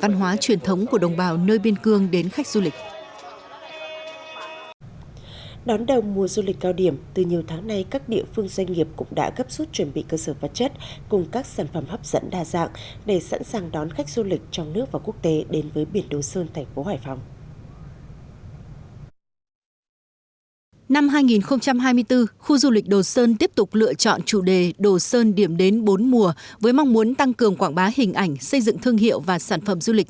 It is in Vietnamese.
với mong muốn tăng cường quảng bá hình ảnh xây dựng thương hiệu và sản phẩm du lịch